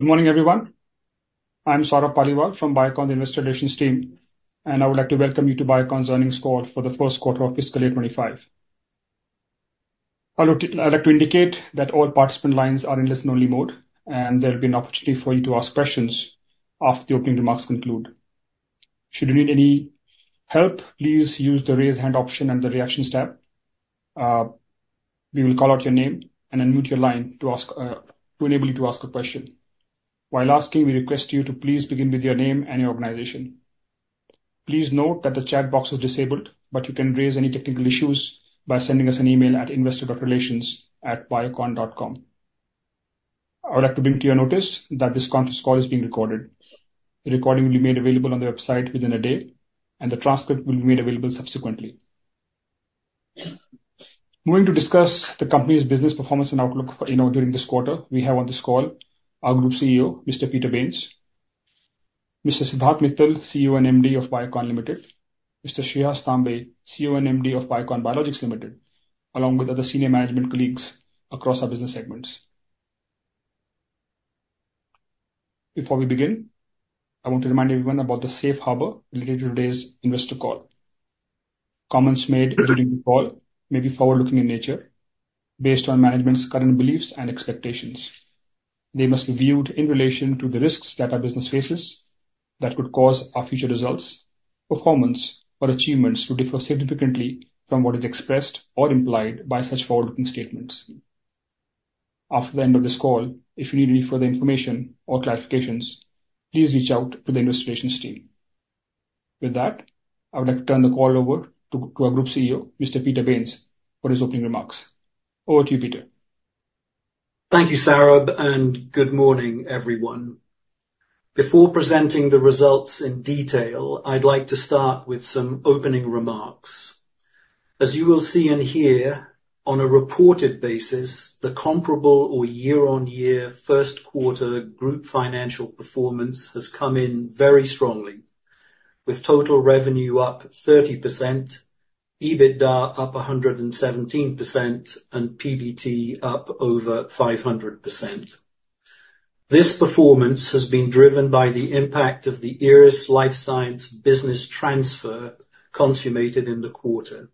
Good morning, everyone. I'm Saurabh Paliwal from Biocon Investor Relations team, and I would like to welcome you to Biocon's earnings call for the first quarter of fiscal year 25. I would like to indicate that all participant lines are in listen-only mode, and there will be an opportunity for you to ask questions after the opening remarks conclude. Should you need any help, please use the Raise Hand option and the Reactions tab. We will call out your name and unmute your line to ask, to enable you to ask a question. While asking, we request you to please begin with your name and your organization. Please note that the chat box is disabled, but you can raise any technical issues by sending us an email at investor.relations@biocon.com. I would like to bring to your notice that this conference call is being recorded. The recording will be made available on the website within a day, and the transcript will be made available subsequently. Moving to discuss the company's business performance and outlook for, you know, during this quarter, we have on this call our Group CEO, Mr. Peter Bains, Mr. Siddharth Mittal, CEO and MD of Biocon Limited, Mr. Shreehas Tambe, CEO and MD of Biocon Biologics Limited, along with other senior management colleagues across our business segments. Before we begin, I want to remind everyone about the safe harbor related to today's investor call. Comments made during the call may be forward-looking in nature based on management's current beliefs and expectations. They must be viewed in relation to the risks that our business faces that could cause our future results, performance, or achievements to differ significantly from what is expressed or implied by such forward-looking statements. After the end of this call, if you need any further information or clarifications, please reach out to the investor relations team. With that, I would like to turn the call over to our Group CEO, Mr. Peter Bains, for his opening remarks. Over to you, Peter. Thank you, Saurabh, and good morning, everyone. Before presenting the results in detail, I'd like to start with some opening remarks. As you will see and hear, on a reported basis, the comparable or year-on-year first quarter group financial performance has come in very strongly, with total revenue up 30%, EBITDA up 117%, and PBT up over 500%. This performance has been driven by the impact of the Eris Lifesciences business transfer, consummated in the quarter.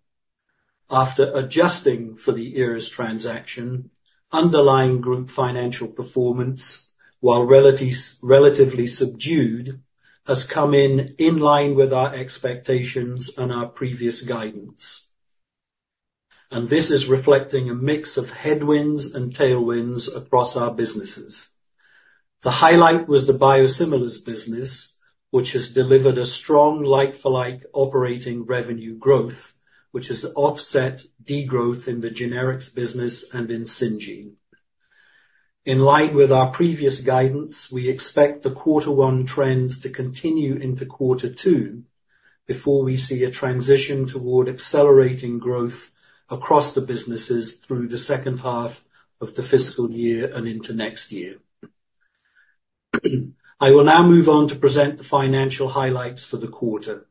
After adjusting for the Eris transaction, underlying group financial performance, while relatively subdued, has come in in line with our expectations and our previous guidance, and this is reflecting a mix of headwinds and tailwinds across our businesses. The highlight was the biosimilars business, which has delivered a strong like-for-like operating revenue growth, which has offset degrowth in the generics business and in Syngene. In line with our previous guidance, we expect the Quarter One trends to continue into Quarter Two before we see a transition toward accelerating growth across the businesses through the second half of the fiscal year and into next year. I will now move on to present the financial highlights for the quarter.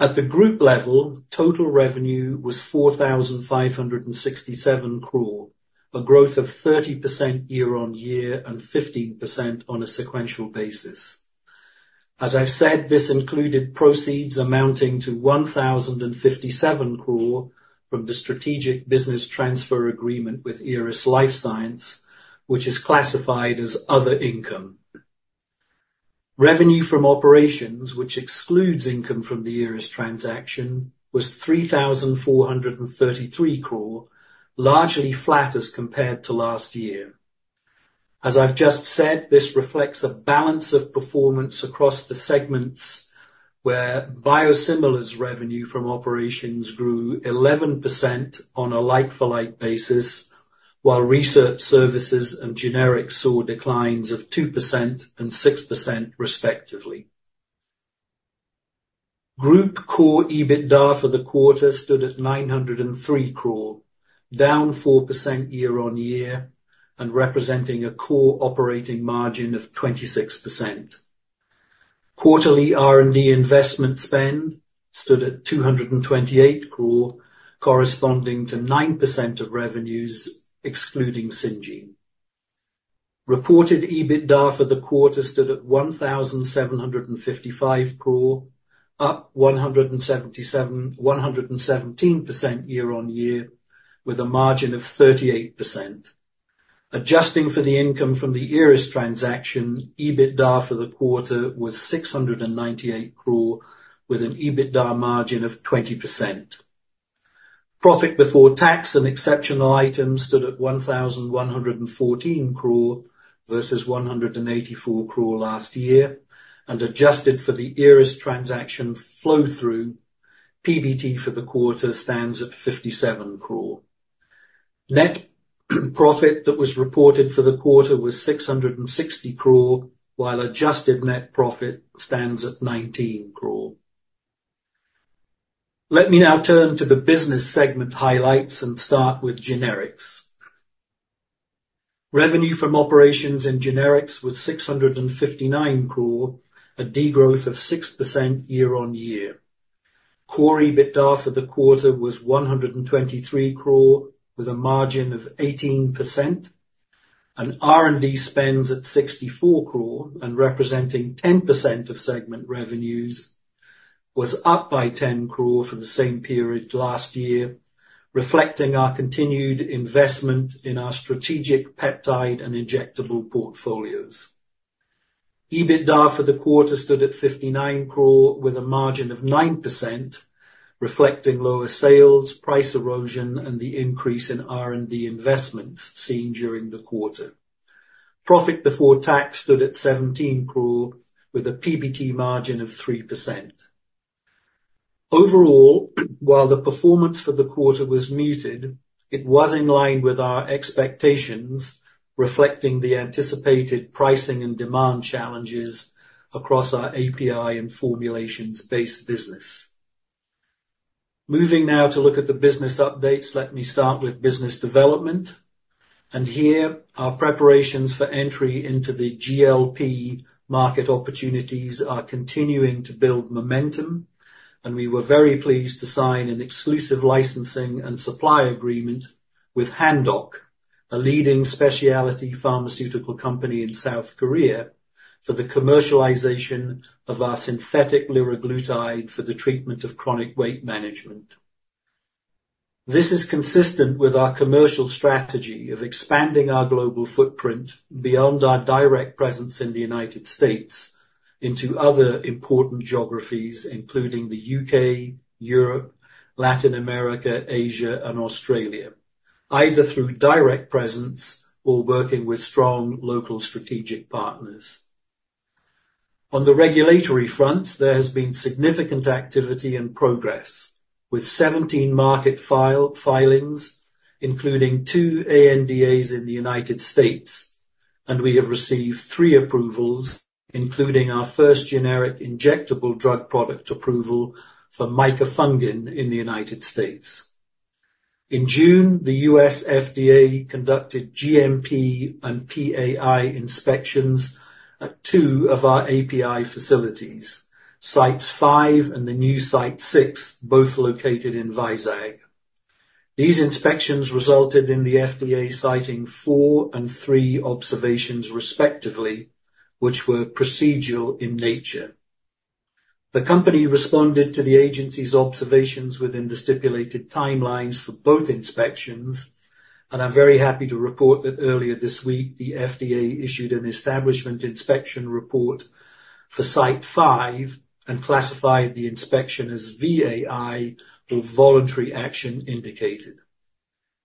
At the group level, total revenue was 4,567 crore, a growth of 30% year-on-year and 15% on a sequential basis. As I've said, this included proceeds amounting to 1,057 crore from the strategic business transfer agreement with Eris Lifesciences, which is classified as other income. Revenue from operations, which excludes income from the Eris Lifesciences transaction, was 3,433 crore, largely flat as compared to last year. As I've just said, this reflects a balance of performance across the segments, where biosimilars revenue from operations grew 11% on a like-for-like basis, while research services and generics saw declines of 2% and 6% respectively. Group core EBITDA for the quarter stood at 903 crore, down 4% year-on-year and representing a core operating margin of 26%. Quarterly R&D investment spend stood at 228 crore, corresponding to 9% of revenues, excluding Syngene. Reported EBITDA for the quarter stood at 1,755 crore, up 117% year-on-year, with a margin of 38%. Adjusting for the income from the Eris transaction, EBITDA for the quarter was 698 crore, with an EBITDA margin of 20%. Profit before tax and exceptional items stood at 1,114 crore versus 184 crore last year, and adjusted for the Eris transaction flow-through, PBT for the quarter stands at 57 crore. Net profit that was reported for the quarter was 660 crore, while adjusted net profit stands at 19 crore. Let me now turn to the business segment highlights and start with generics. Revenue from operations in generics was 659 crore, a degrowth of 6% year-on-year. Core EBITDA for the quarter was 123 crore, with a margin of 18%, and R&D spends at 64 crore, and representing 10% of segment revenues, was up by 10 crore for the same period last year, reflecting our continued investment in our strategic peptide and injectable portfolios. EBITDA for the quarter stood at 59 crore, with a margin of 9%, reflecting lower sales, price erosion, and the increase in R&D investments seen during the quarter. Profit before tax stood at 17 crore, with a PBT margin of 3%. Overall, while the performance for the quarter was muted, it was in line with our expectations, reflecting the anticipated pricing and demand challenges across our API and formulations-based business. Moving now to look at the business updates, let me start with business development, and here our preparations for entry into the GLP market opportunities are continuing to build momentum, and we were very pleased to sign an exclusive licensing and supply agreement with Handok, a leading specialty pharmaceutical company in South Korea, for the commercialization of our synthetic liraglutide for the treatment of chronic weight management. This is consistent with our commercial strategy of expanding our global footprint beyond our direct presence in the United States into other important geographies, including the UK, Europe, Latin America, Asia, and Australia, either through direct presence or working with strong local strategic partners. On the regulatory front, there has been significant activity and progress, with 17 market filings, including two ANDAs in the United States, and we have received three approvals, including our first generic injectable drug product approval for micafungin in the United States. In June, the US FDA conducted GMP and PAI inspections at two of our API facilities, Sites 5 and the new Site 6, both located in Vizag. These inspections resulted in the FDA citing four and three observations, respectively, which were procedural in nature. The company responded to the agency's observations within the stipulated timelines for both inspections, and I'm very happy to report that earlier this week, the FDA issued an establishment inspection report for Site 5 and classified the inspection as VAI, or voluntary action indicated.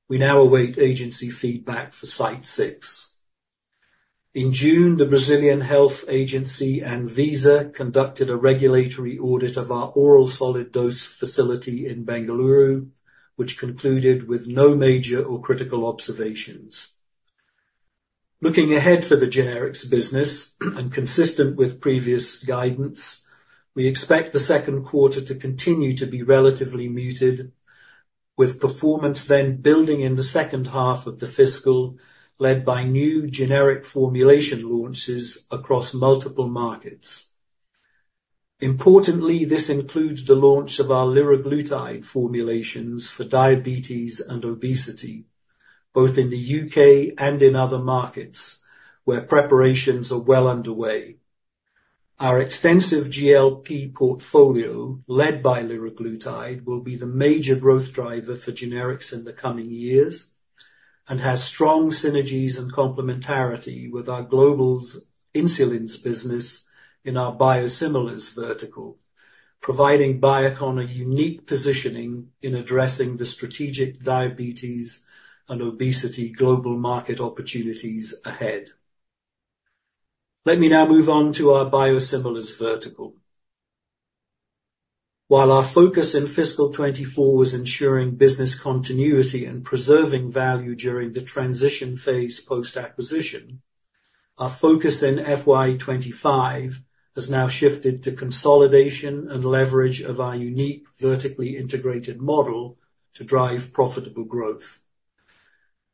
We now await agency feedback for Site 6. In June, the Brazilian Health agency, ANVISA, conducted a regulatory audit of our oral solid dose facility in Bengaluru, which concluded with no major or critical observations. Looking ahead for the generics business, and consistent with previous guidance, we expect the second quarter to continue to be relatively muted, with performance then building in the second half of the fiscal, led by new generic formulation launches across multiple markets. Importantly, this includes the launch of our liraglutide formulations for diabetes and obesity, both in the UK and in other markets, where preparations are well underway. Our extensive GLP portfolio, led by liraglutide, will be the major growth driver for generics in the coming years and has strong synergies and complementarity with our global insulins business in our biosimilars vertical, providing Biocon a unique positioning in addressing the strategic diabetes and obesity global market opportunities ahead. Let me now move on to our biosimilars vertical. While our focus in fiscal 2024 was ensuring business continuity and preserving value during the transition phase post-acquisition, our focus in FY 2025 has now shifted to consolidation and leverage of our unique vertically integrated model to drive profitable growth.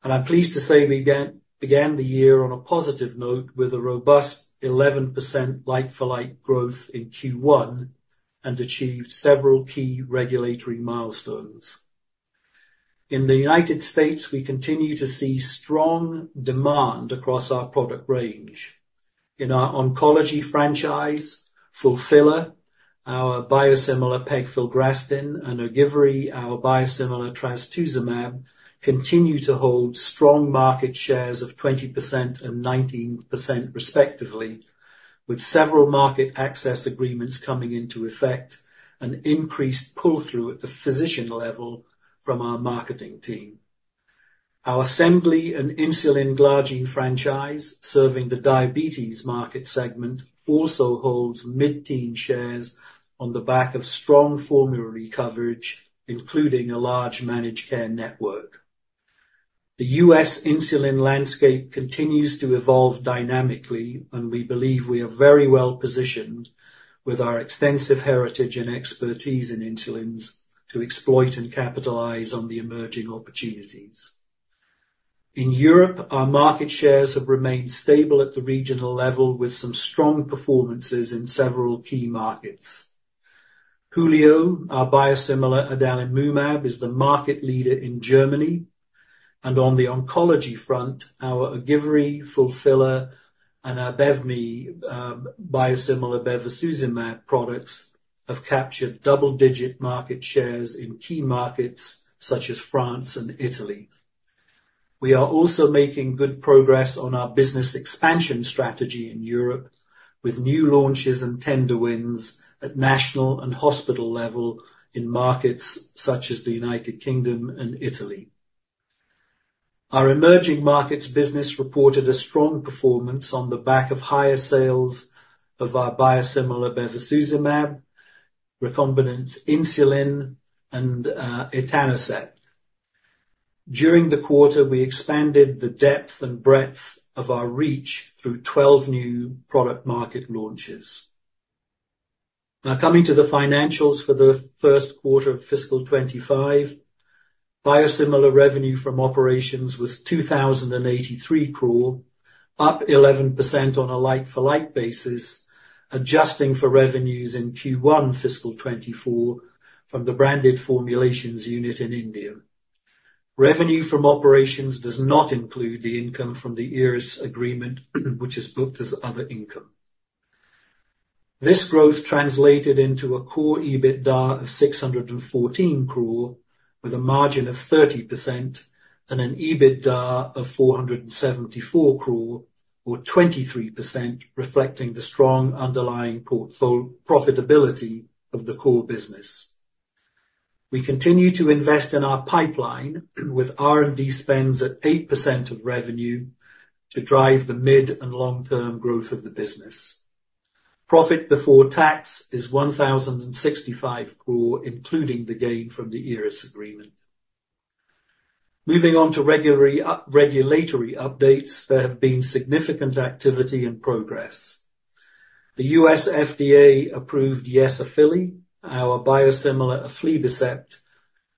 I'm pleased to say we began the year on a positive note with a robust 11% like-for-like growth in Q1 and achieved several key regulatory milestones. In the United States, we continue to see strong demand across our product range. In our oncology franchise, Fulphila, our biosimilar pegfilgrastim, and Ogivri, our biosimilar trastuzumab, continue to hold strong market shares of 20% and 19% respectively, with several market access agreements coming into effect and increased pull-through at the physician level from our marketing team. Our Semglee and insulin glargine franchise, serving the diabetes market segment, also holds mid-teen shares on the back of strong formulary coverage, including a large managed care network. The U.S. insulin landscape continues to evolve dynamically, and we believe we are very well positioned with our extensive heritage and expertise in insulins to exploit and capitalize on the emerging opportunities. In Europe, our market shares have remained stable at the regional level, with some strong performances in several key markets. Hulio, our biosimilar adalimumab, is the market leader in Germany, and on the oncology front, our Ogivri, Fulphila, and our Abevmy, biosimilar bevacizumab products have captured double-digit market shares in key markets such as France and Italy. We are also making good progress on our business expansion strategy in Europe, with new launches and tender wins at national and hospital level in markets such as the United Kingdom and Italy. Our emerging markets business reported a strong performance on the back of higher sales of our biosimilar bevacizumab, recombinant insulin, and, etanercept. During the quarter, we expanded the depth and breadth of our reach through 12 new product market launches. Now, coming to the financials for the first quarter of fiscal 2025, biosimilar revenue from operations was 2,083 crore, up 11% on a like-for-like basis, adjusting for revenues in Q1 fiscal 2024 from the branded formulations unit in India. Revenue from operations does not include the income from the Eris agreement, which is booked as other income. This growth translated into a core EBITDA of 614 crore, with a margin of 30% and an EBITDA of 474 crore, or 23%, reflecting the strong underlying profitability of the core business. We continue to invest in our pipeline, with R&D spends at 8% of revenue, to drive the mid- and long-term growth of the business. Profit before tax is 1,065 crore, including the gain from the Eris agreement. Moving on to regulatory updates, there have been significant activity and progress. The US FDA approved Yesafili, our biosimilar aflibercept,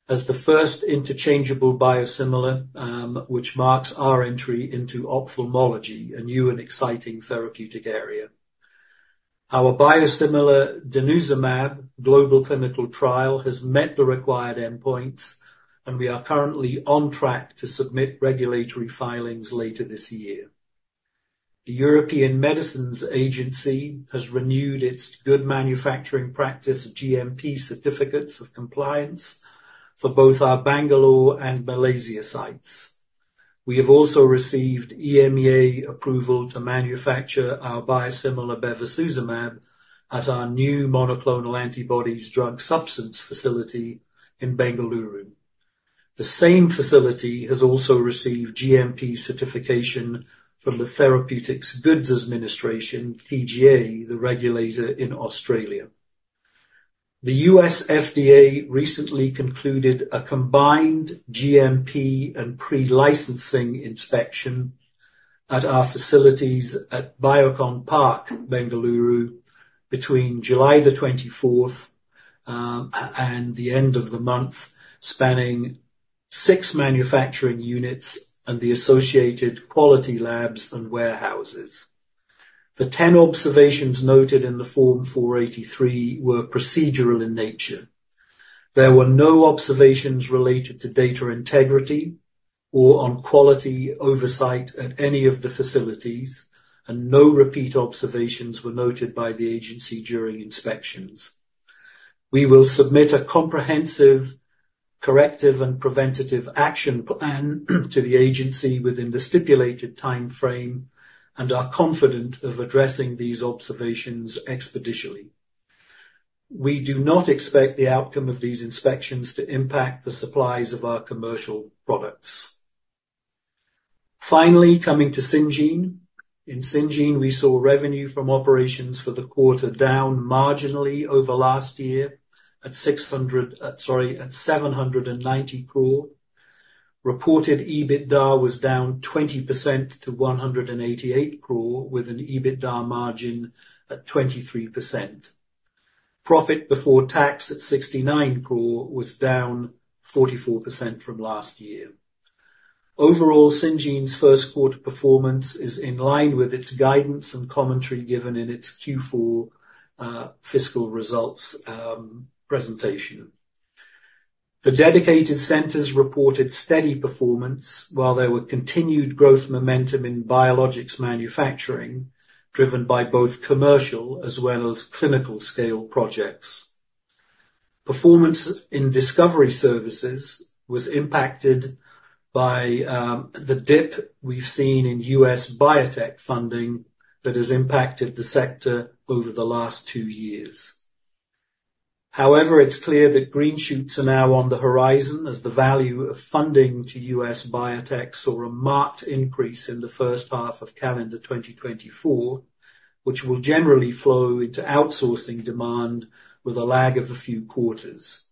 as the first interchangeable biosimilar, which marks our entry into ophthalmology, a new and exciting therapeutic area. Our biosimilar denosumab global clinical trial has met the required endpoints, and we are currently on track to submit regulatory filings later this year. The European Medicines Agency has renewed its Good Manufacturing Practice, GMP, certificates of compliance for both our Bengaluru and Malaysia sites. We have also received EMA approval to manufacture our biosimilar bevacizumab at our new monoclonal antibodies drug substance facility in Bengaluru. The same facility has also received GMP certification from the Therapeutic Goods Administration, TGA, the regulator in Australia. The U.S. FDA recently concluded a combined GMP and pre-licensing inspection at our facilities at Biocon Park, Bengaluru, between July the 24th and the end of the month, spanning six manufacturing units and the associated quality labs and warehouses. The 10 observations noted in the Form 483 were procedural in nature. There were no observations related to data integrity or on quality oversight at any of the facilities, and no repeat observations were noted by the agency during inspections. We will submit a comprehensive corrective and preventative action plan to the agency within the stipulated time frame and are confident of addressing these observations expeditiously. We do not expect the outcome of these inspections to impact the supplies of our commercial products. Finally, coming to Syngene. In Syngene, we saw revenue from operations for the quarter down marginally over last year at 790 crore. Reported EBITDA was down 20% to 188 crore, with an EBITDA margin at 23%. Profit before tax at 69 crore was down 44% from last year. Overall, Syngene's first quarter performance is in line with its guidance and commentary given in its Q4 fiscal results presentation. The dedicated centers reported steady performance, while there were continued growth momentum in biologics manufacturing, driven by both commercial as well as clinical scale projects. Performance in discovery services was impacted by the dip we've seen in US biotech funding that has impacted the sector over the last two years. However, it's clear that green shoots are now on the horizon as the value of funding to U.S. biotech saw a marked increase in the first half of calendar 2024, which will generally flow into outsourcing demand with a lag of a few quarters.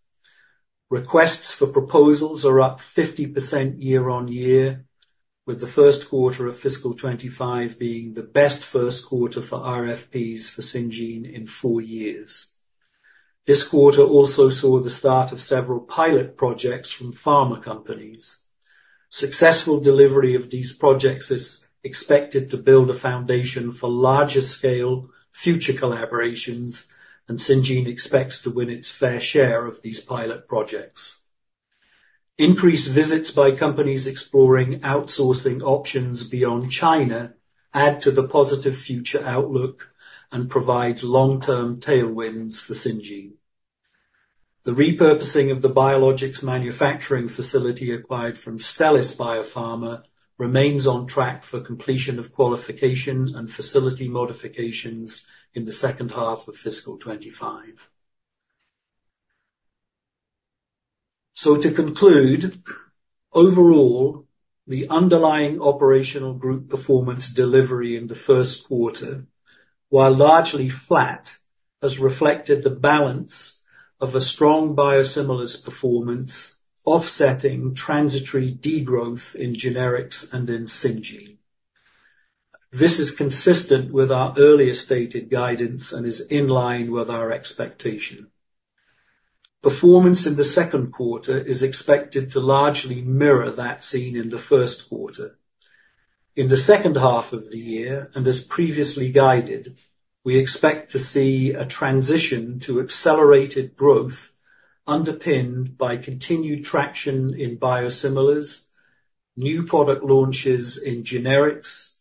Requests for proposals are up 50% year-on-year, with the first quarter of fiscal 2025 being the best first quarter for RFPs for Syngene in four years.... This quarter also saw the start of several pilot projects from pharma companies. Successful delivery of these projects is expected to build a foundation for larger scale future collaborations, and Syngene expects to win its fair share of these pilot projects. Increased visits by companies exploring outsourcing options beyond China add to the positive future outlook and provides long-term tailwinds for Syngene. The repurposing of the biologics manufacturing facility acquired from Stelis Biopharma remains on track for completion of qualification and facility modifications in the second half of fiscal 2025. So to conclude, overall, the underlying operational group performance delivery in the first quarter, while largely flat, has reflected the balance of a strong biosimilars performance, offsetting transitory degrowth in generics and in Syngene. This is consistent with our earlier stated guidance and is in line with our expectation. Performance in the second quarter is expected to largely mirror that seen in the first quarter. In the second half of the year, and as previously guided, we expect to see a transition to accelerated growth, underpinned by continued traction in biosimilars, new product launches in generics,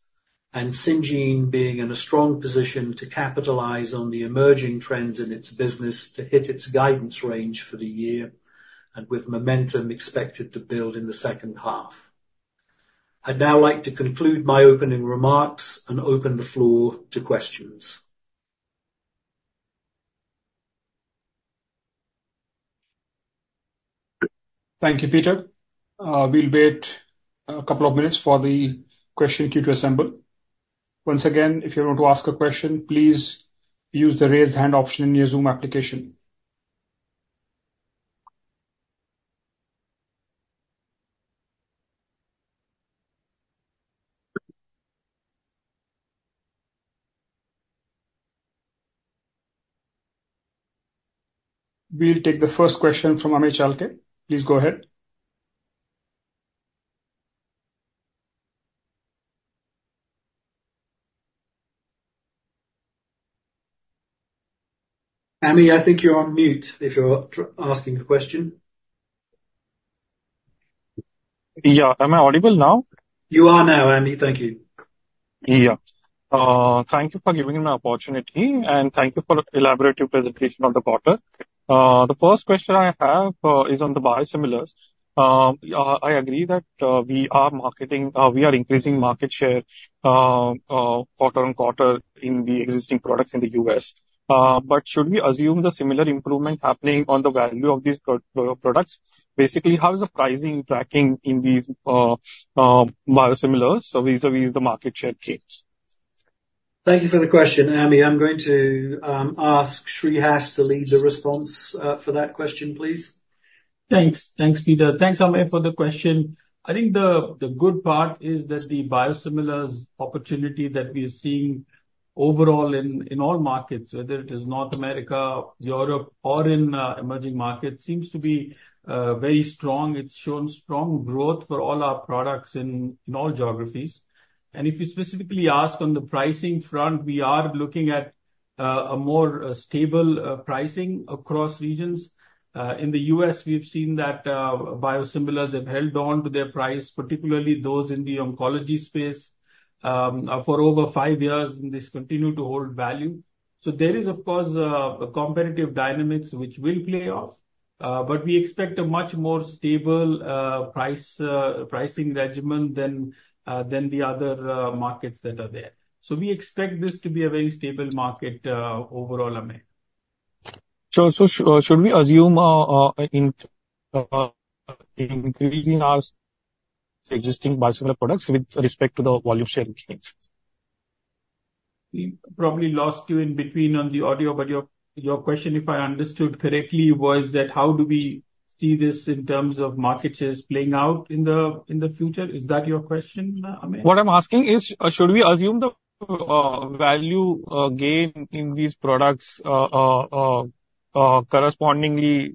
and Syngene being in a strong position to capitalize on the emerging trends in its business to hit its guidance range for the year, and with momentum expected to build in the second half. I'd now like to conclude my opening remarks and open the floor to questions. Thank you, Peter. We'll wait a couple of minutes for the question queue to assemble. Once again, if you want to ask a question, please use the Raise Hand option in your Zoom application. We'll take the first question from Amey Chalke. Please go ahead. Amy, I think you're on mute, if you're asking a question. Yeah. Am I audible now? You are now, Amey. Thank you. Yeah. Thank you for giving me the opportunity, and thank you for the elaborative presentation on the quarter. The first question I have is on the biosimilars. I agree that we are marketing... We are increasing market share quarter-on-quarter in the existing products in the U.S. But should we assume the similar improvement happening on the value of these products? Basically, how is the pricing tracking in these biosimilars vis-à-vis the market share change? Thank you for the question, Amey. I'm going to ask Shreehas to lead the response, for that question, please. Thanks. Thanks, Peter. Thanks, Amy, for the question. I think the good part is that the biosimilars opportunity that we are seeing overall in all markets, whether it is North America, Europe, or in emerging markets, seems to be very strong. It's shown strong growth for all our products in all geographies. And if you specifically asked on the pricing front, we are looking at a more stable pricing across regions. In the U.S., we have seen that biosimilars have held on to their price, particularly those in the oncology space, for over five years, and this continue to hold value. So there is, of course, a competitive dynamics which will play off, but we expect a much more stable price pricing regimen than the other markets that are there. We expect this to be a very stable market, overall, Amey. So, should we assume an increase in our existing biosimilar products with respect to the volume share changes? We probably lost you in between on the audio, but your, your question, if I understood correctly, was that how do we see this in terms of market shares playing out in the, in the future? Is that your question, Amey? What I'm asking is, should we assume the value gain in these products, correspondingly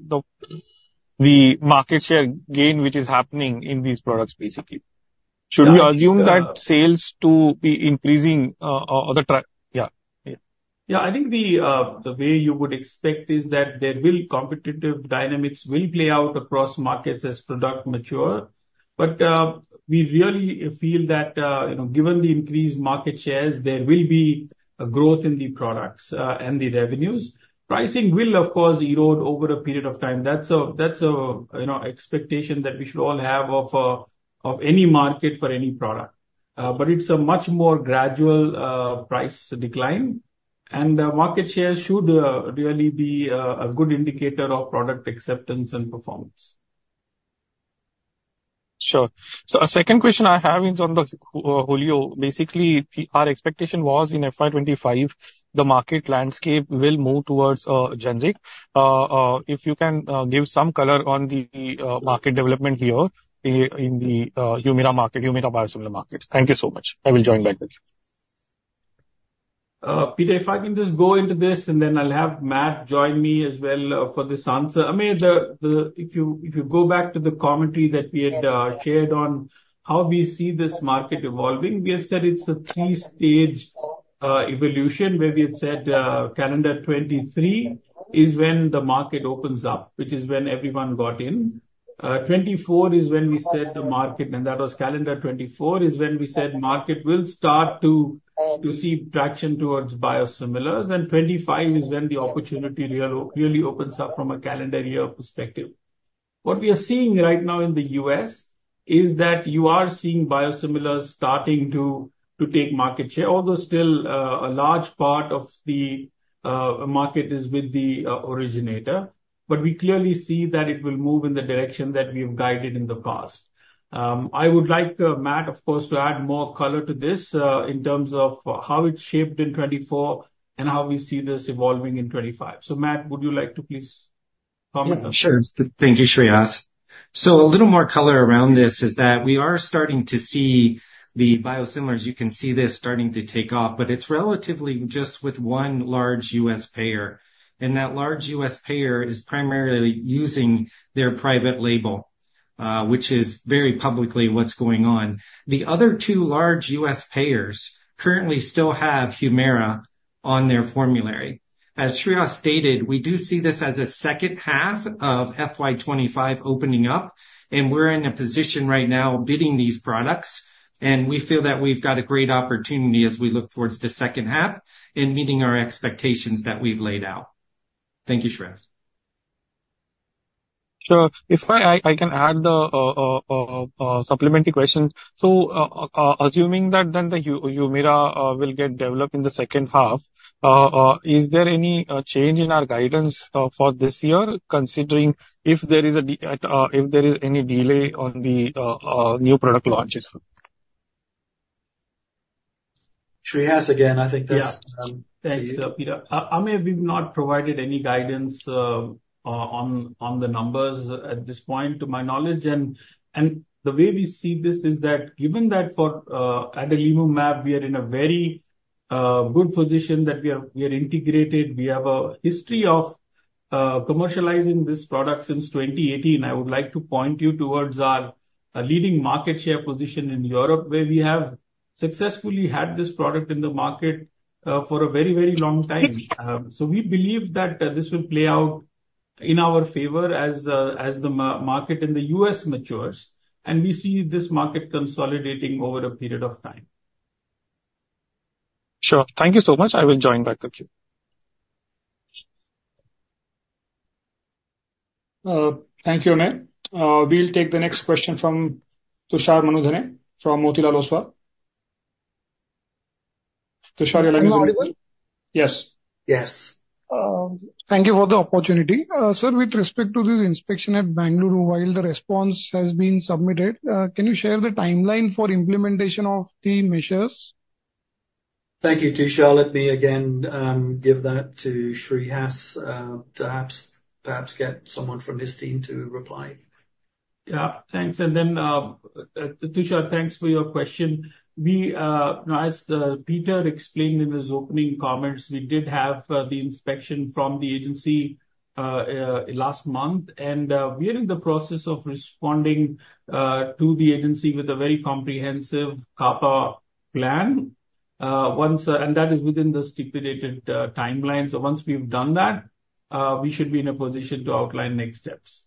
the market share gain which is happening in these products, basically? Yeah, the- Should we assume that sales to be increasing? Yeah. Yeah. Yeah, I think the way you would expect is that there will competitive dynamics will play out across markets as product mature. But we really feel that, you know, given the increased market shares, there will be a growth in the products and the revenues. Pricing will, of course, erode over a period of time. That's a, that's a, you know, expectation that we should all have of of any market for any product. But it's a much more gradual price decline, and the market share should really be a good indicator of product acceptance and performance. Sure. So a second question I have is on the Hulio. Basically, our expectation was in FY 25, the market landscape will move towards generic. If you can give some color on the market development here in the Humira market, Humira biosimilar market. Thank you so much. I will join back with you. Peter, if I can just go into this, and then I'll have Matt join me as well, for this answer. I mean, if you, if you go back to the commentary that we had shared on how we see this market evolving, we have said it's a three-stage evolution, where we had said, calendar 2023 is when the market opens up, which is when everyone got in. 2024 is when we said the market, and that was calendar 2024, is when we said market will start to see traction towards biosimilars. Then 2025 is when the opportunity really opens up from a calendar year perspective. What we are seeing right now in the U.S., is that you are seeing biosimilars starting to take market share, although still, a large part of the market is with the originator. But we clearly see that it will move in the direction that we have guided in the past. I would like, Matt, of course, to add more color to this, in terms of how it shaped in 2024 and how we see this evolving in 2025. So, Matt, would you like to please comment? Sure. Thank you, Shreehas. So a little more color around this is that we are starting to see the biosimilars. You can see this starting to take off, but it's relatively just with one large U.S. payer, and that large U.S. payer is primarily using their private label, which is very publicly what's going on. The other two large U.S. payers currently still have Humira on their formulary. As Shreehas stated, we do see this as a second half of FY 2025 opening up, and we're in a position right now bidding these products, and we feel that we've got a great opportunity as we look towards the second half in meeting our expectations that we've laid out. Thank you, Shreehas. Sure. If I can add the supplementary question. So, assuming that then the Humira will get developed in the second half, is there any change in our guidance for this year, considering if there is any delay on the new product launches? Shreehas, again, I think that's— Yeah. Thanks. I mean, we've not provided any guidance on the numbers at this point, to my knowledge. The way we see this is that, given that for adalimumab, we are in a very good position, that we are integrated. We have a history of commercializing this product since 2018. I would like to point you towards our leading market share position in Europe, where we have successfully had this product in the market for a very, very long time. So we believe that this will play out in our favor as the market in the U.S. matures, and we see this market consolidating over a period of time. Sure. Thank you so much. I will join back the queue. Thank you, Amey. We'll take the next question from Tushar Manudhane from Motilal Oswal. Tushar, your line is- Am I audible? Yes. Yes. Thank you for the opportunity. Sir, with respect to this inspection at Bengaluru, while the response has been submitted, can you share the timeline for implementation of the measures? Thank you, Tushar. Let me again give that to Shreehas, to perhaps, perhaps get someone from his team to reply. Yeah. Thanks, and then, Tushar, thanks for your question. We, as Peter explained in his opening comments, we did have the inspection from the agency last month, and we are in the process of responding to the agency with a very comprehensive CAPA plan. And that is within the stipulated timeline. So once we've done that, we should be in a position to outline next steps.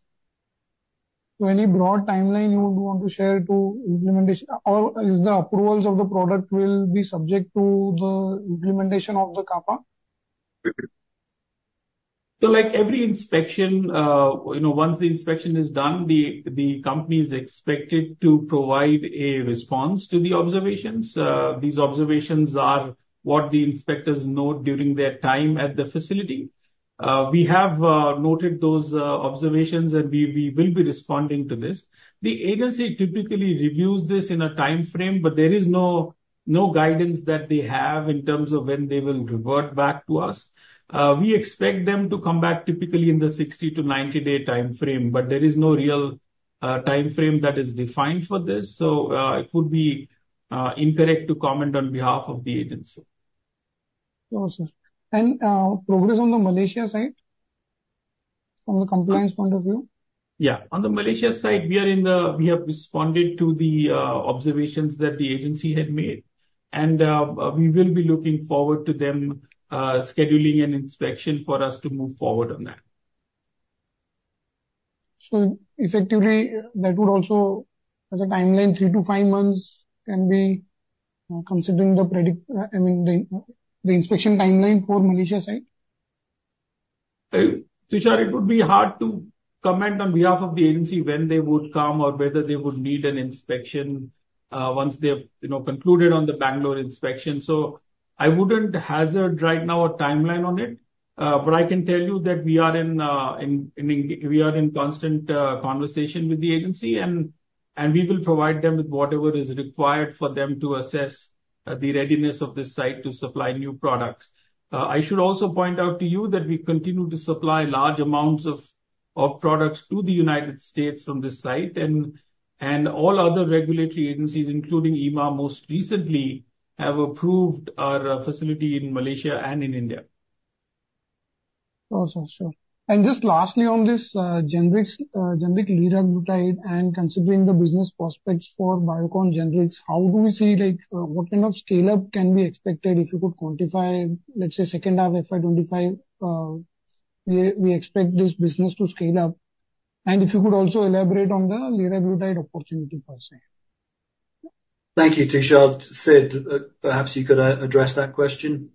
Any broad timeline you would want to share to implementation, or is the approvals of the product will be subject to the implementation of the CAPA? So, like every inspection, you know, once the inspection is done, the company is expected to provide a response to the observations. These observations are what the inspectors note during their time at the facility. We have noted those observations, and we will be responding to this. The agency typically reviews this in a time frame, but there is no guidance that they have in terms of when they will revert back to us. We expect them to come back typically in the 60-to-90-day time frame, but there is no real time frame that is defined for this, so it would be incorrect to comment on behalf of the agency. Sure, sir. Progress on the Malaysia side, from a compliance point of view? Yeah. On the Malaysia side, we are in the... We have responded to the observations that the agency had made, and we will be looking forward to them scheduling an inspection for us to move forward on that. So effectively, that would also, as a timeline, three to five months can be considering the, I mean, the inspection timeline for Malaysia side? Tushar, it would be hard to comment on behalf of the agency when they would come or whether they would need an inspection, once they have, you know, concluded on the Bengaluru inspection. So I wouldn't hazard right now a timeline on it, but I can tell you that we are in constant conversation with the agency, and we will provide them with whatever is required for them to assess the readiness of this site to supply new products. I should also point out to you that we continue to supply large amounts of products to the United States from this site, and all other regulatory agencies, including EMA, most recently, have approved our facility in Malaysia and in India. Awesome, sure. And just lastly, on this, generics, generic liraglutide and considering the business prospects for Biocon generics, how do we see, like, what kind of scale-up can be expected? If you could quantify, let's say second half FY 2025, we expect this business to scale up. And if you could also elaborate on the liraglutide opportunity per se. Thank you, Tushar. Sid, perhaps you could address that question.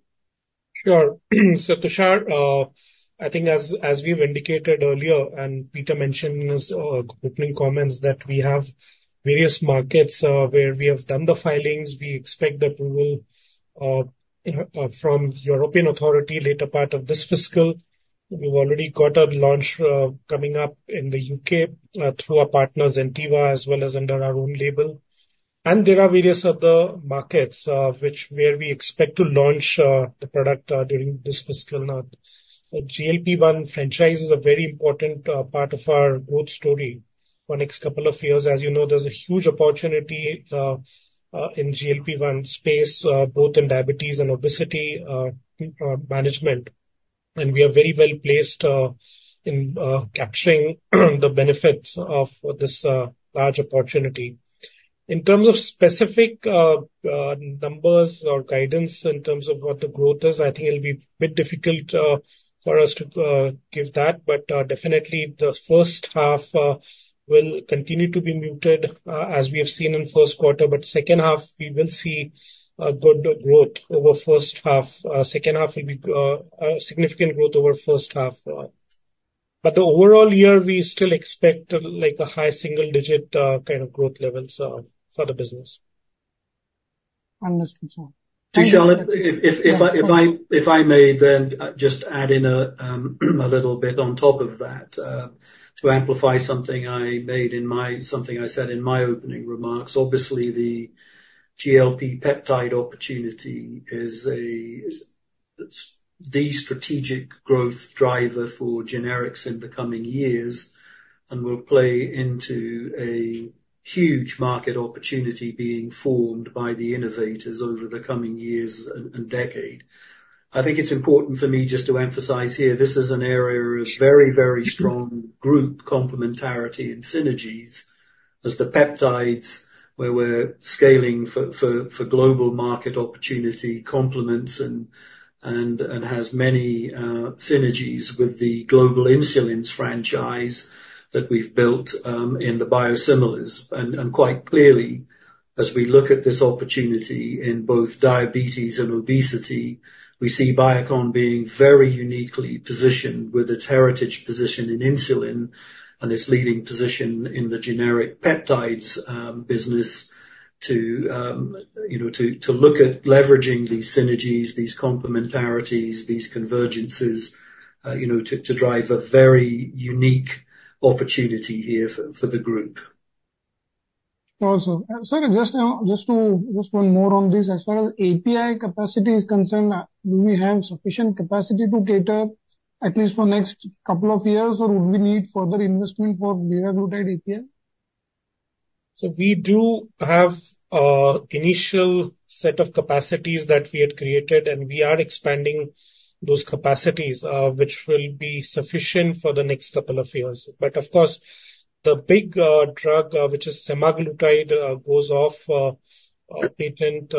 Sure. So Tushar, I think as we've indicated earlier, and Peter mentioned in his opening comments, that we have various markets where we have done the filings. We expect the approval, you know, from European authority later part of this fiscal. We've already got a launch coming up in the UK through our partners, Zentiva, as well as under our own label. And there are various other markets where we expect to launch the product during this fiscal year. The GLP-1 franchise is a very important part of our growth story for next couple of years. As you know, there's a huge opportunity in GLP-1 space both in diabetes and obesity management. And we are very well placed in capturing the benefits of this large opportunity. In terms of specific numbers or guidance, in terms of what the growth is, I think it'll be a bit difficult for us to give that. But definitely the first half will continue to be muted, as we have seen in first quarter, but second half, we will see a good growth over first half. Second half will be a significant growth over first half. But the overall year, we still expect like a high single digit kind of growth levels for the business. Understood, sir. Tushar, if I may then just add in a little bit on top of that, to amplify something I said in my opening remarks. Obviously, the GLP peptide opportunity is, it's the strategic growth driver for generics in the coming years and will play into a huge market opportunity being formed by the innovators over the coming years and decade. I think it's important for me just to emphasize here, this is an area of very, very strong group complementarity and synergies, as the peptides where we're scaling for global market opportunity complements and has many synergies with the global insulins franchise that we've built in the biosimilars. Quite clearly, as we look at this opportunity in both diabetes and obesity, we see Biocon being very uniquely positioned with its heritage position in insulin and its leading position in the generic peptides business to you know, to, to look at leveraging these synergies, these complementarities, these convergences, you know, to, to drive a very unique opportunity here for the group. Awesome. Sid, just one more on this. As far as API capacity is concerned, do we have sufficient capacity to cater at least for next couple of years, or would we need further investment for liraglutide API? So we do have initial set of capacities that we had created, and we are expanding those capacities, which will be sufficient for the next couple of years. But of course, the big drug, which is semaglutide, goes off patent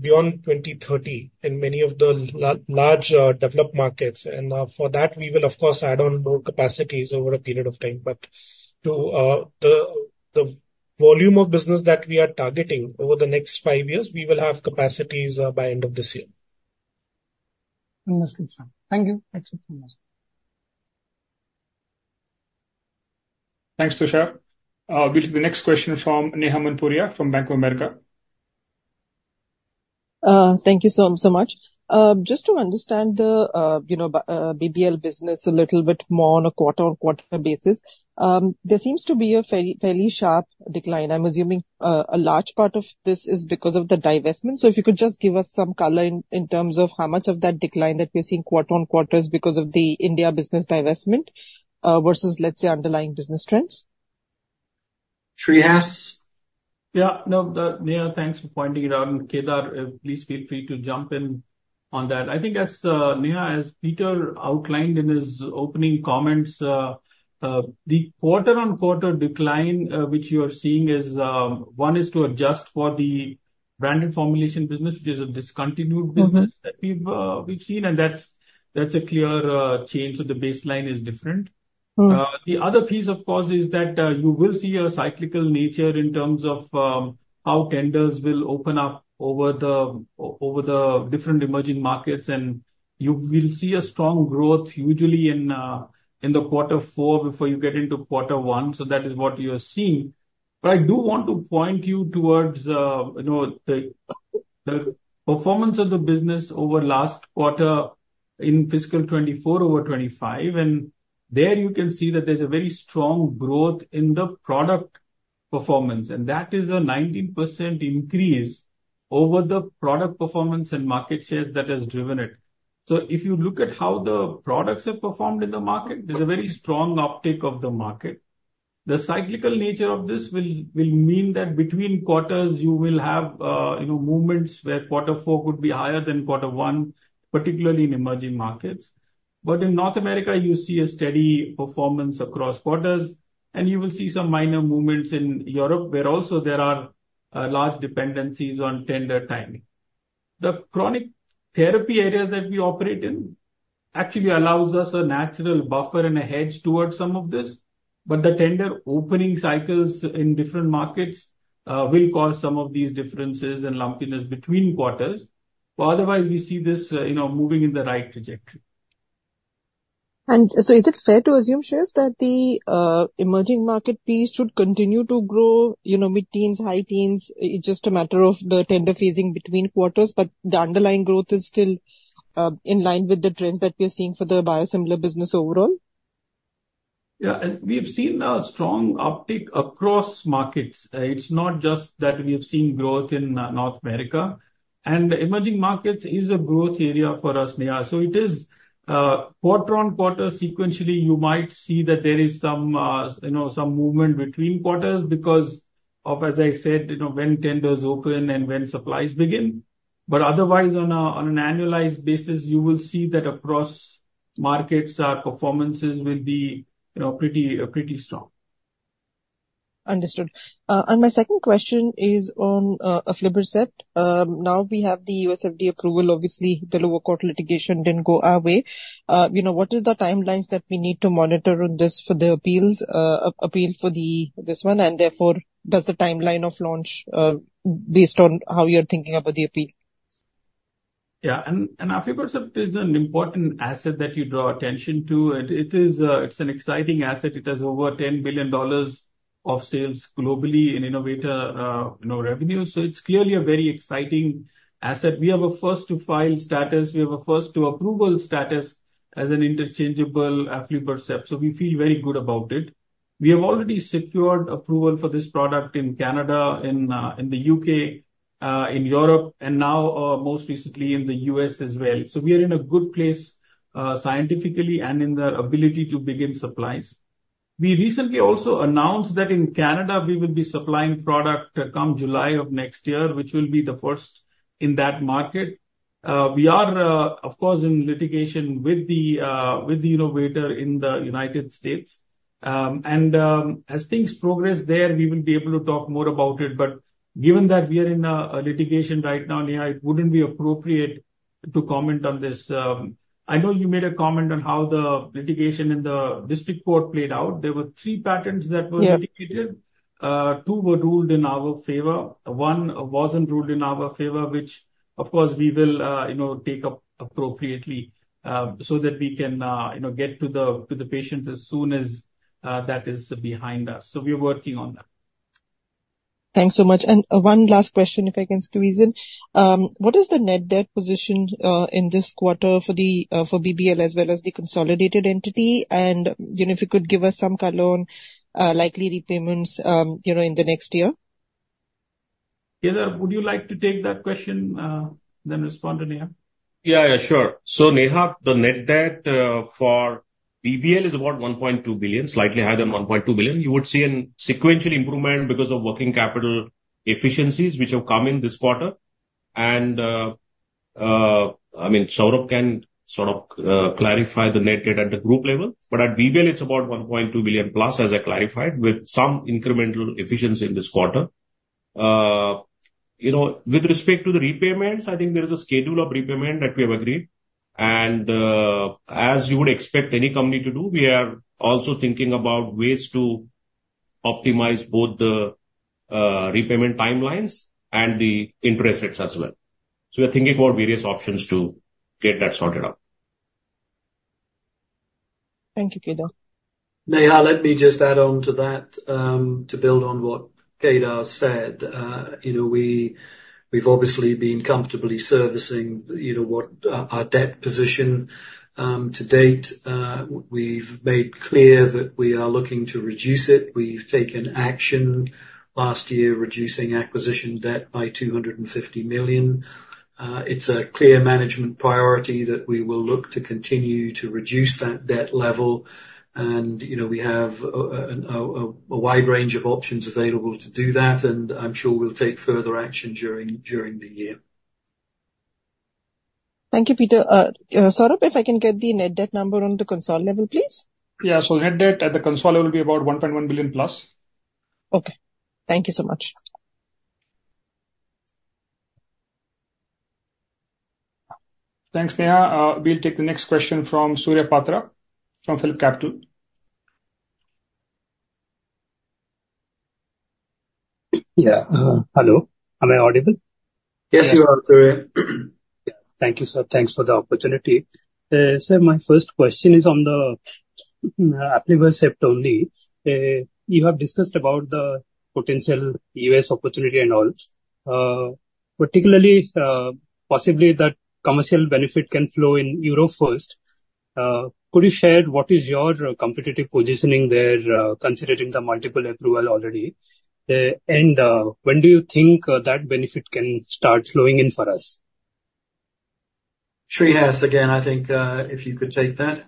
beyond 2030, in many of the large developed markets. And for that, we will of course add on more capacities over a period of time. But to the volume of business that we are targeting over the next five years, we will have capacities by end of this year. Understood, sir. Thank you. Thank you so much. Thanks, Tushar. We'll take the next question from Neha Manpuria from Bank of America. Thank you so much. Just to understand the BBL business a little bit more on a quarter-on-quarter basis. There seems to be a fairly sharp decline. I'm assuming a large part of this is because of the divestment. So if you could just give us some color in terms of how much of that decline that we're seeing quarter-on-quarter is because of the India business divestment versus, let's say, underlying business trends. Shreehas? Yeah. No, Neha, thanks for pointing it out, and Kedar, please feel free to jump in on that. I think as, Neha, as Peter outlined in his opening comments, the quarter-on-quarter decline, which you are seeing is, one, is to adjust for the branded formulation business, which is a discontinued business- Mm-hmm. that we've seen, and that's a clear change, so the baseline is different. Mm-hmm. The other piece, of course, is that, you will see a cyclical nature in terms of, how tenders will open up over the over the different emerging markets, and you will see a strong growth usually in, in the quarter four before you get into quarter one, so that is what you are seeing. But I do want to point you towards, you know, the performance of the business over last quarter in fiscal 2024 over 2025, and there you can see that there's a very strong growth in the product performance, and that is a 19% increase over the product performance and market share that has driven it. So if you look at how the products have performed in the market, there's a very strong uptick of the market. The cyclical nature of this will, will mean that between quarters, you will have, you know, movements where quarter four could be higher than quarter one, particularly in emerging markets. But in North America, you see a steady performance across quarters, and you will see some minor movements in Europe, where also there are, large dependencies on tender timing. The chronic therapy areas that we operate in actually allows us a natural buffer and a hedge towards some of this, but the tender opening cycles in different markets, will cause some of these differences and lumpiness between quarters. But otherwise, we see this, you know, moving in the right trajectory. Is it fair to assume, Shreehas, that the emerging market piece should continue to grow, you know, mid-teens, high teens? It's just a matter of the tender phasing between quarters, but the underlying growth is still in line with the trends that we're seeing for the biosimilar business overall? Yeah. We've seen a strong uptick across markets. It's not just that we have seen growth in North America. The emerging markets is a growth area for us, Neha. So it is, quarter on quarter, sequentially, you might see that there is some, you know, some movement between quarters because of, as I said, you know, when tenders open and when supplies begin. But otherwise, on an annualized basis, you will see that across markets, our performances will be, you know, pretty, pretty strong. Understood. And my second question is on aflibercept. Now we have the US FDA approval. Obviously, the lower court litigation didn't go our way. You know, what is the timelines that we need to monitor on this for the appeals, appeal for the, this one, and therefore, does the timeline of launch, based on how you're thinking about the appeal? Yeah, and, and aflibercept is an important asset that you draw attention to, and it is, it's an exciting asset. It has over $10 billion of sales globally in innovator, you know, revenue, so it's clearly a very exciting asset. We have a first to file status, we have a first to approval status as an interchangeable aflibercept, so we feel very good about it. We have already secured approval for this product in Canada, in, in the U.K., in Europe, and now, most recently in the U.S. as well. So we are in a good place, scientifically and in the ability to begin supplies. We recently also announced that in Canada, we will be supplying product come July of next year, which will be the first in that market. We are, of course, in litigation with the innovator in the United States. As things progress there, we will be able to talk more about it. Given that we are in a litigation right now, Neha, it wouldn't be appropriate to comment on this. I know you made a comment on how the litigation in the district court played out. There were three patents that were litigated. Yeah. Two were ruled in our favor, one wasn't ruled in our favor, which of course, we will, you know, take up appropriately, so that we can, you know, get to the, to the patients as soon as that is behind us. So we're working on that. Thanks so much. And, one last question, if I can squeeze in. What is the net debt position, in this quarter for the, for BBL as well as the consolidated entity? And, you know, if you could give us some color on, likely repayments, you know, in the next year. Kedar, would you like to take that question, then respond to Neha? Yeah, yeah, sure. So, Neha, the net debt for BBL is about 1.2 billion, slightly higher than 1.2 billion. You would see a sequential improvement because of working capital efficiencies, which have come in this quarter. And, I mean, Saurabh can sort of clarify the net debt at the group level. But at BBL, it's about 1.2 billion plus, as I clarified, with some incremental efficiency in this quarter. You know, with respect to the repayments, I think there is a schedule of repayment that we have agreed. And, as you would expect any company to do, we are also thinking about ways to optimize both the repayment timelines and the interest rates as well. So we are thinking about various options to get that sorted out. Thank you, Kedar. Neha, let me just add on to that, to build on what Kedar said. You know, we, we've obviously been comfortably servicing, you know, what, our debt position, to date. We've made clear that we are looking to reduce it. We've taken action last year, reducing acquisition debt by $250 million. It's a clear management priority that we will look to continue to reduce that debt level, and, you know, we have a wide range of options available to do that, and I'm sure we'll take further action during the year. Thank you, Peter. Saurabh, if I can get the net debt number on the consolidated level, please? Yeah. So net debt at the consolidated level will be about 1.1 billion plus. Okay. Thank you so much. Thanks, Neha. We'll take the next question from Surya Patra, from PhillipCapital. Yeah. Hello, am I audible? Yes, you are, Surya. Thank you, sir. Thanks for the opportunity. Sir, my first question is on the aflibercept only. You have discussed about the potential U.S. opportunity and all. Particularly, possibly that commercial benefit can flow in Europe first. Could you share what is your competitive positioning there, considering the multiple approval already? And when do you think that benefit can start flowing in for us? Shreehas, again, I think, if you could take that.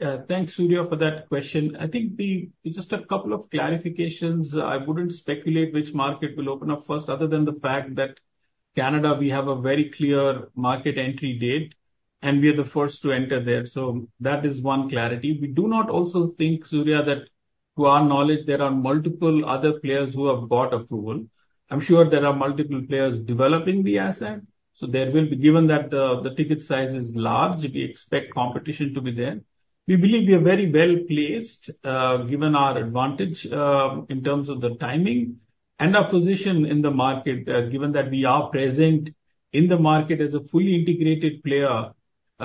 Yeah. Thanks, Surya, for that question. I think, just a couple of clarifications. I wouldn't speculate which market will open up first, other than the fact that Canada, we have a very clear market entry date, and we are the first to enter there. So that is one clarity. We do not also think, Surya, that, to our knowledge, there are multiple other players who have got approval. I'm sure there are multiple players developing the asset, so there will be. Given that the ticket size is large, we expect competition to be there. We believe we are very well-placed, given our advantage, in terms of the timing and our position in the market, given that we are present in the market as a fully integrated player.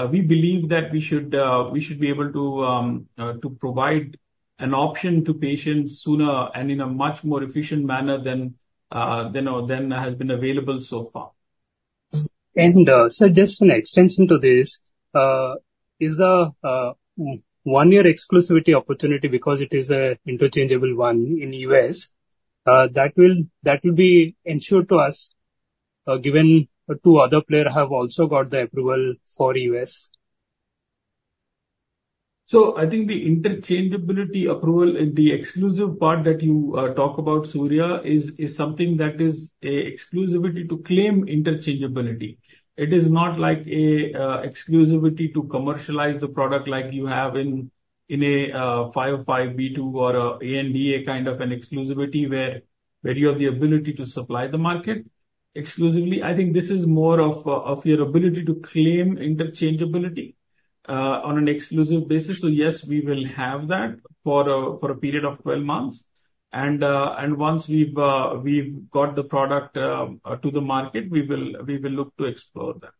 We believe that we should be able to provide an option to patients sooner and in a much more efficient manner than has been available so far. So just an extension to this, is a one-year exclusivity opportunity because it is a interchangeable one in the US, that will, that will be ensured to us, given the two other player have also got the approval for US? So I think the interchangeability approval, the exclusive part that you talk about, Surya, is something that is a exclusivity to claim interchangeability. It is not like a exclusivity to commercialize the product like you have in a 505(b)(2) or a ANDA kind of an exclusivity, where you have the ability to supply the market exclusively. I think this is more of your ability to claim interchangeability on an exclusive basis. So yes, we will have that for a period of 12 months. And once we've got the product to the market, we will look to explore that.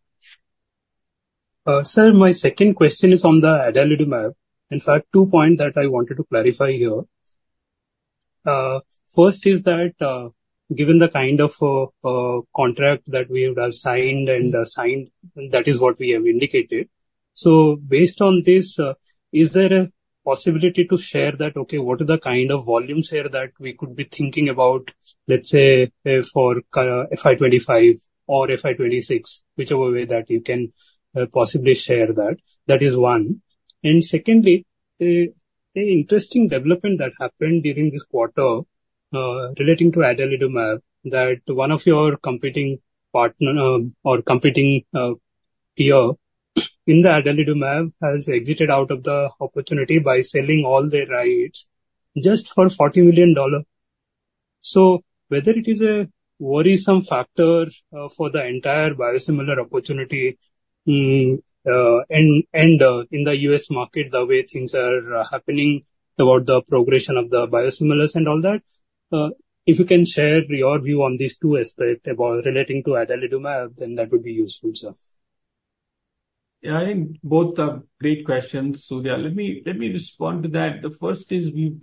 Sir, my second question is on the adalimumab. In fact, two points that I wanted to clarify here. First is that, given the kind of contract that we have signed, that is what we have indicated. So based on this, is there a possibility to share that, okay, what are the kind of volumes here that we could be thinking about, let's say, for FY 25 or FY 26, whichever way that you can possibly share that? That is one. And secondly, an interesting development that happened during this quarter, relating to adalimumab, that one of your competing partner, or competing peer in the adalimumab, has exited out of the opportunity by selling all their rights just for $40 million. Whether it is a worrisome factor for the entire biosimilar opportunity, and in the U.S. market, the way things are happening about the progression of the biosimilars and all that, if you can share your view on these two aspects about relating to adalimumab, then that would be useful, sir. Yeah, I think both are great questions, Surya. Let me respond to that. The first is we've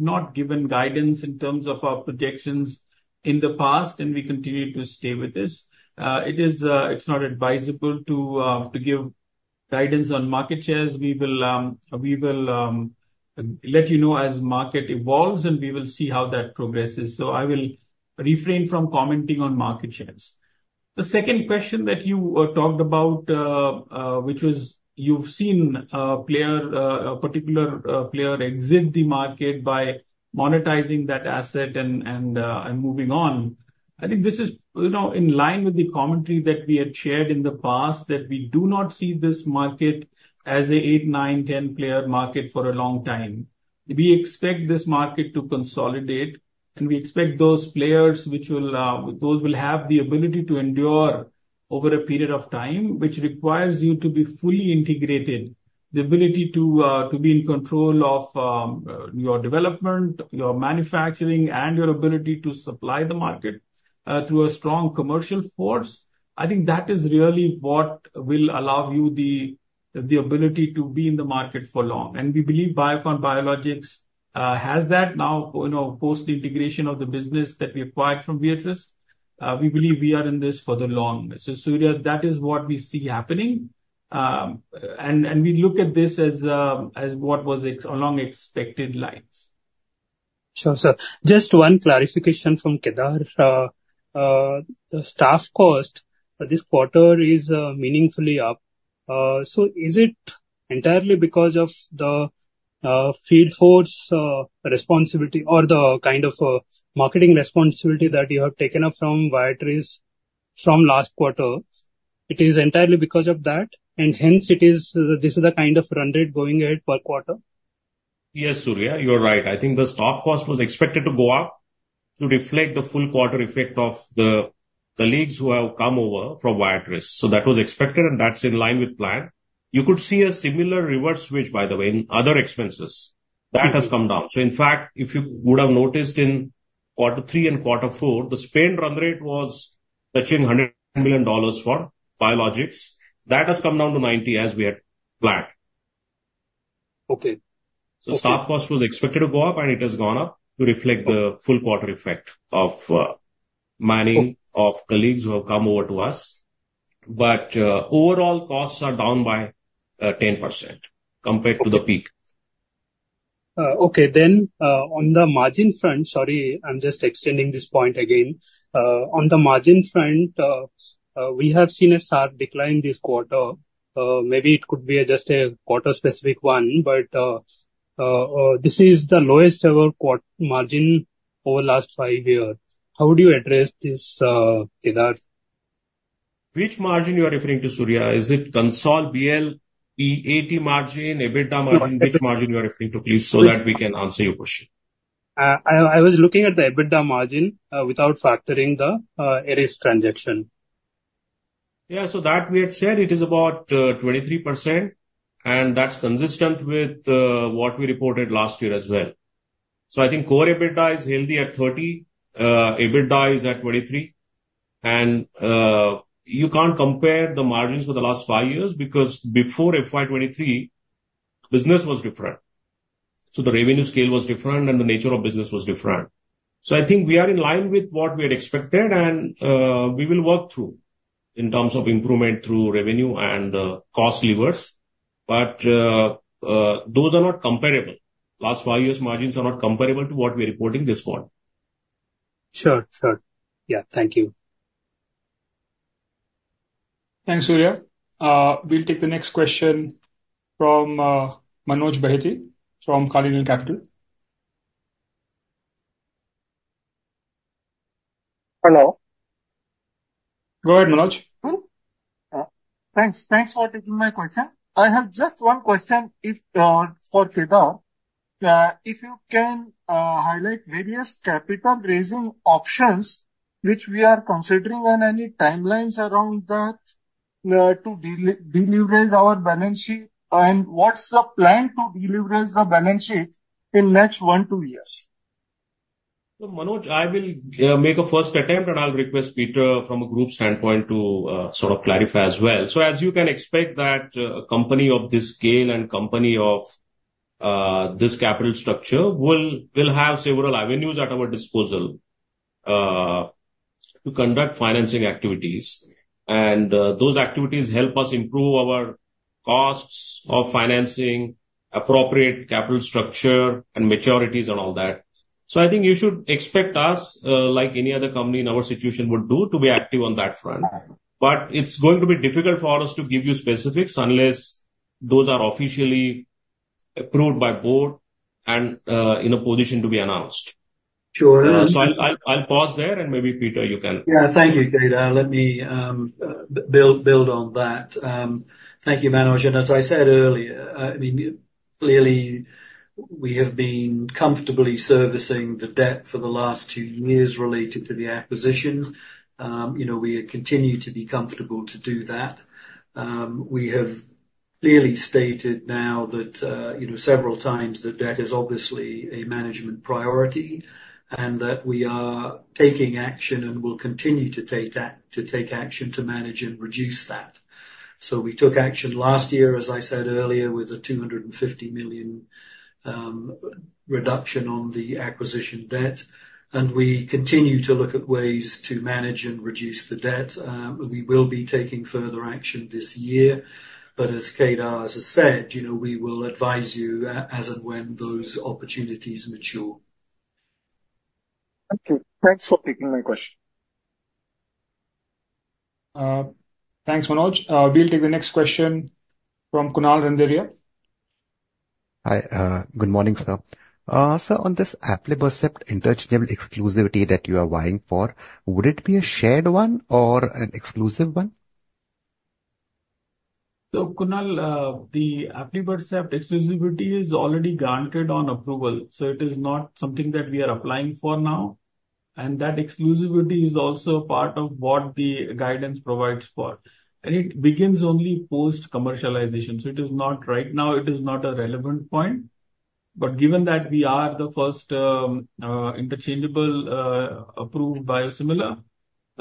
not given guidance in terms of our projections in the past, and we continue to stay with this. It is, it's not advisable to give guidance on market shares. We will let you know as market evolves, and we will see how that progresses. So I will refrain from commenting on market shares. The second question that you talked about, which was you've seen a player, a particular player exit the market by monetizing that asset and moving on. I think this is, you know, in line with the commentary that we had shared in the past, that we do not see this market as an 8, 9, 10-player market for a long time. We expect this market to consolidate, and we expect those players which will, those will have the ability to endure over a period of time, which requires you to be fully integrated. The ability to, to be in control of, your development, your manufacturing, and your ability to supply the market, through a strong commercial force. I think that is really what will allow you the, the ability to be in the market for long. And we believe Biocon Biologics, has that now, you know, post-integration of the business that we acquired from Viatris. We believe we are in this for the long run. So, Surya, that is what we see happening. And we look at this as what was along expected lines. Sure, sir. Just one clarification from Kedar. The staff cost this quarter is meaningfully up. So is it entirely because of the field force responsibility or the kind of marketing responsibility that you have taken up from Viatris from last quarter? It is entirely because of that, and hence it is, this is the kind of run rate going ahead per quarter? Yes, Surya, you're right. I think the stock cost was expected to go up to reflect the full quarter effect of the, the leads who have come over from Viatris. So that was expected, and that's in line with plan. You could see a similar reverse switch, by the way, in other expenses. That has come down. So in fact, if you would have noticed in quarter three and quarter four, the spend run rate was touching $100 million for biologics. That has come down to $90 million, as we had planned.... Okay. So staff cost was expected to go up, and it has gone up to reflect the full quarter effect of manning of colleagues who have come over to us. But overall costs are down by 10% compared to the peak. Okay. Then, on the margin front. Sorry, I'm just extending this point again. On the margin front, we have seen a sharp decline this quarter. Maybe it could be just a quarter-specific one, but this is the lowest ever margin over the last five years. How would you address this, Kedar? Which margin you are referring to, Surya? Is it consolidated, BL, EAT margin, EBITDA margin? Which margin you are referring to, please, so that we can answer your question. I was looking at the EBITDA margin without factoring the Viatris transaction. Yeah, so that we had said it is about 23%, and that's consistent with what we reported last year as well. So I think core EBITDA is healthy at 30%, EBITDA is at 23%. And you can't compare the margins for the last 5 years, because before FY 2023, business was different. So the revenue scale was different, and the nature of business was different. So I think we are in line with what we had expected, and we will work through in terms of improvement through revenue and cost levers. But those are not comparable. Last 5 years' margins are not comparable to what we're reporting this quarter. Sure, sure. Yeah. Thank you. Thanks, Surya. We'll take the next question from Manoj Bahety from Carnelian Asset Management & Advisors. Hello. Go ahead, Manoj. Thanks. Thanks for taking my question. I have just one question for Kedar. If you can highlight various capital raising options which we are considering and any timelines around that to deleverage our balance sheet. What's the plan to deleverage the balance sheet in next one, two years? So, Manoj, I will make a first attempt, and I'll request Peter from a group standpoint to sort of clarify as well. As you can expect that a company of this scale and company of this capital structure will, will have several avenues at our disposal to conduct financing activities. Those activities help us improve our costs of financing, appropriate capital structure and maturities and all that. I think you should expect us, like any other company in our situation would do, to be active on that front. But it's going to be difficult for us to give you specifics unless those are officially approved by board and in a position to be announced. Sure. So I'll pause there, and maybe, Peter, you can- Yeah. Thank you, Kedar. Let me build on that. Thank you, Manoj, and as I said earlier, I mean, clearly, we have been comfortably servicing the debt for the last two years related to the acquisition. You know, we continue to be comfortable to do that. We have clearly stated now that, you know, several times, the debt is obviously a management priority, and that we are taking action and will continue to take action to manage and reduce that. So we took action last year, as I said earlier, with a $250 million reduction on the acquisition debt, and we continue to look at ways to manage and reduce the debt. We will be taking further action this year, but as Kedar has said, you know, we will advise you as and when those opportunities mature. Thank you. Thanks for taking my question. Thanks, Manoj. We'll take the next question from Kunal Randeria. Hi. Good morning, sir. So on this aflibercept interchangeable exclusivity that you are vying for, would it be a shared one or an exclusive one? So, Kunal, the aflibercept exclusivity is already granted on approval, so it is not something that we are applying for now. And that exclusivity is also part of what the guidance provides for. And it begins only post-commercialization. So it is not, right now, it is not a relevant point. But given that we are the first interchangeable approved biosimilar,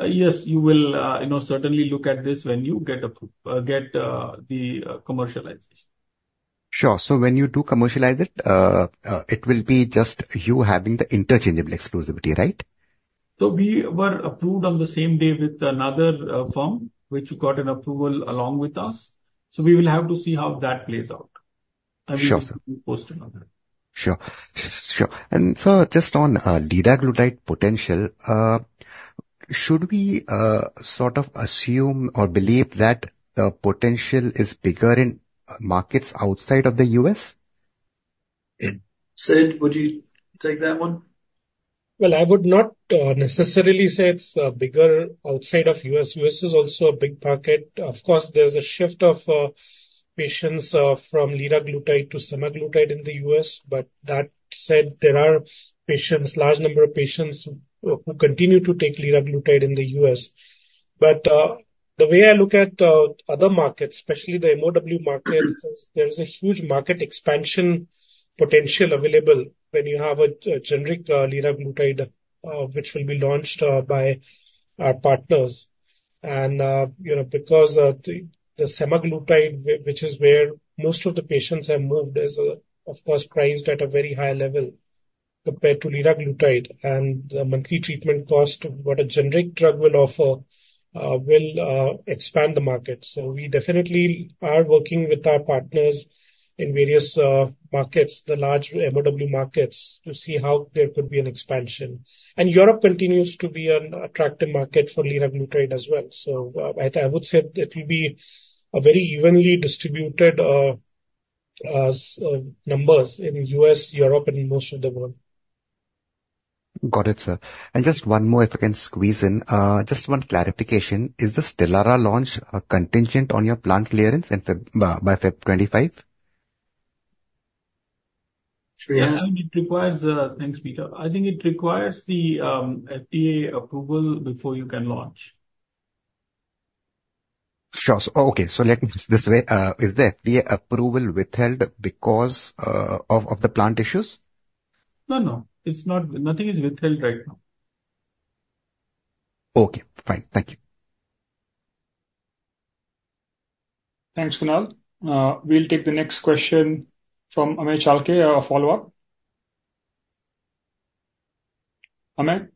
yes, you will, you know, certainly look at this when you get the commercialization. Sure. So when you do commercialize it, it will be just you having the interchangeable exclusivity, right? We were approved on the same day with another firm, which got an approval along with us, so we will have to see how that plays out. Sure, sir. I will keep you posted on that. Sure. Sure. Sir, just on liraglutide potential, should we sort of assume or believe that the potential is bigger in markets outside of the U.S.? Sid, would you take that one? Well, I would not necessarily say it's bigger outside of U.S. U.S. is also a big market. Of course, there's a shift of patients from liraglutide to semaglutide in the U.S. But that said, there are patients, large number of patients, who continue to take liraglutide in the U.S. But the way I look at other markets, especially the MOW markets, there is a huge market expansion potential available when you have a generic liraglutide which will be launched by our partners. And you know, because the semaglutide, which is where most of the patients have moved, is of course priced at a very high level. ... compared to liraglutide, and the monthly treatment cost, what a generic drug will offer will expand the market. So we definitely are working with our partners in various markets, the large MOW markets, to see how there could be an expansion. And Europe continues to be an attractive market for liraglutide as well. So I would say it will be a very evenly distributed as numbers in U.S., Europe and most of the world. Got it, sir. And just one more, if I can squeeze in. Just one clarification: Is the Stelara launch contingent on your plant clearance by February 2025? Shreehas? I think it requires. Thanks, Peter. I think it requires the FDA approval before you can launch. Sure. So, okay, so let me put it this way, is the FDA approval withheld because of the plant issues? No, no, it's not. Nothing is withheld right now. Okay, fine. Thank you. Thanks, Kunal. We'll take the next question from Amey Chalke, a follow-up. Amey?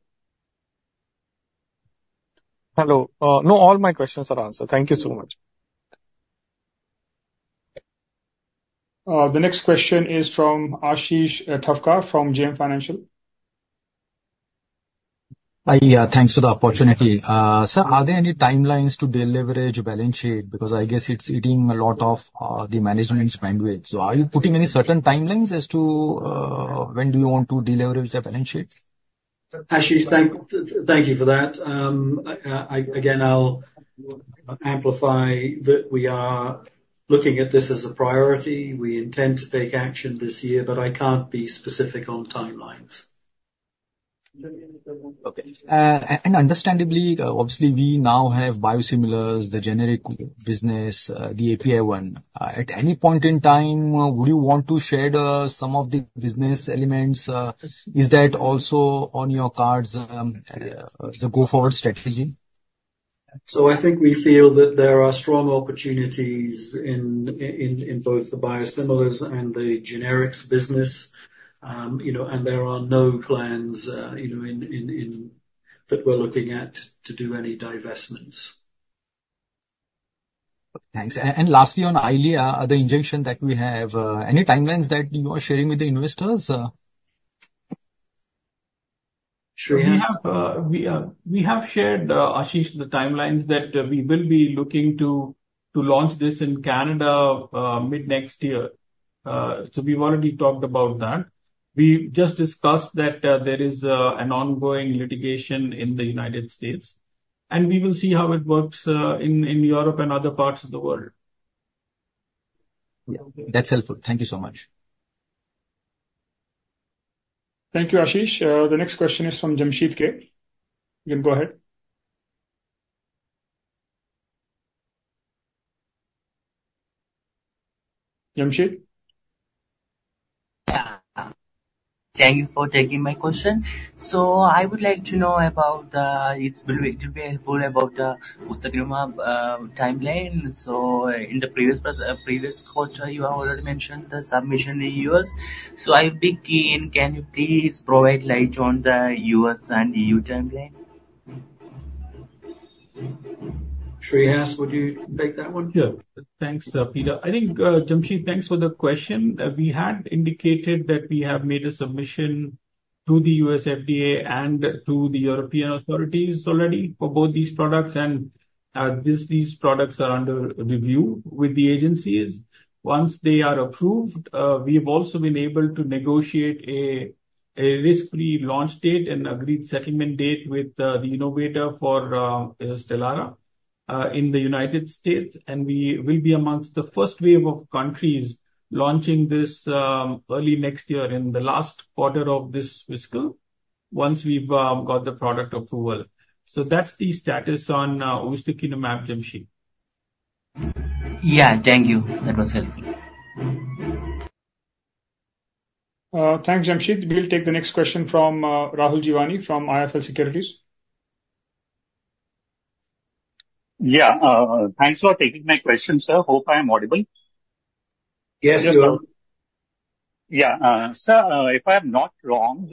Hello. No, all my questions are answered. Thank you so much. The next question is from Ashish Thavkar from JM Financial. Hi, yeah, thanks for the opportunity. Sir, are there any timelines to deleverage balance sheet? Because I guess it's eating a lot of the management's bandwidth. So are you putting any certain timelines as to when do you want to deleverage the balance sheet? Ashish, thank you for that. Again, I'll amplify that we are looking at this as a priority. We intend to take action this year, but I can't be specific on timelines. Okay. Understandably, obviously, we now have biosimilars, the generic business, the API one. At any point in time, would you want to share some of the business elements? Is that also on your cards, as a go-forward strategy? So I think we feel that there are strong opportunities in both the biosimilars and the generics business. You know, and there are no plans, you know, that we're looking at to do any divestments. Thanks. And, ehnd lastly, on Eylea, the injunction that we have, any timelines that you are sharing with the investors? Shreehas? We have shared, Ashish, the timelines that we will be looking to launch this in Canada mid-next year. So we've already talked about that. We just discussed that there is an ongoing litigation in the United States, and we will see how it works in Europe and other parts of the world. Yeah, that's helpful. Thank you so much. Thank you, Ashish. The next question is from Jamsheed K. You can go ahead. Jamsheed? Thank you for taking my question. So I would like to know about its ability to be informed about ustekinumab timeline. So in the previous quarter, you have already mentioned the submission in the U.S. So I'd be keen; can you please provide light on the U.S. and E.U. timeline? Shreehas, would you take that one? Yeah. Thanks, Peter. I think, Jamsheed, thanks for the question. We had indicated that we have made a submission to the US FDA and to the European authorities already for both these products, and, these products are under review with the agencies. Once they are approved, we have also been able to negotiate a risk-free launch date and agreed settlement date with the innovator for Stelara in the United States. And we will be amongst the first wave of countries launching this early next year, in the last quarter of this fiscal, once we've got the product approval. So that's the status on ustekinumab, Jamsheed. Yeah, thank you. That was helpful. Thanks, Jamsheed. We'll take the next question from Rahul Jeewani from IIFL Securities. Yeah, thanks for taking my question, sir. Hope I am audible. Yes, you are. Yeah. Sir, if I'm not wrong,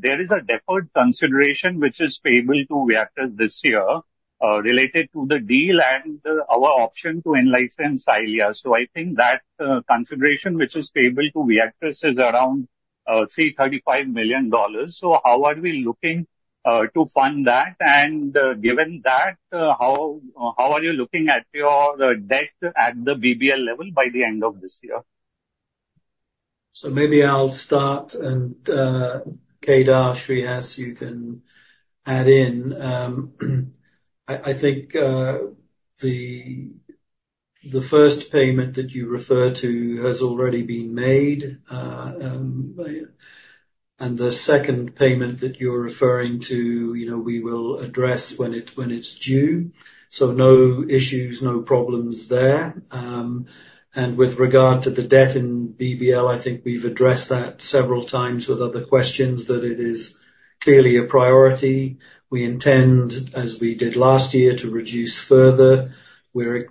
there is a deferred consideration which is payable to Viatris this year, related to the deal and our option to in-license Eylea. So I think that consideration, which is payable to Viatris, is around $335 million. So how are we looking to fund that? And, given that, how are you looking at your debt at the BBL level by the end of this year? So maybe I'll start and, Kedar, Shreehas, you can add in. I think the first payment that you referred to has already been made. And the second payment that you're referring to, you know, we will address when it's due. So no issues, no problems there. And with regard to the debt in BBL, I think we've addressed that several times with other questions, that it is clearly a priority. We intend, as we did last year, to reduce further. We're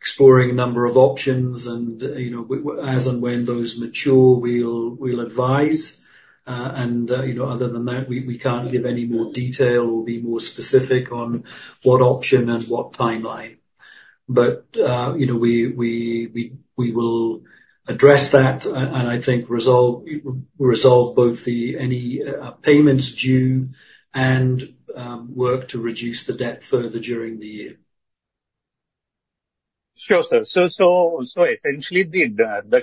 exploring a number of options and, you know, as and when those mature, we'll advise. And, you know, other than that, we can't give any more detail or be more specific on what option and what timeline.... But, you know, we will address that, and I think resolve both any payments due and work to reduce the debt further during the year. Sure, sir. So essentially, the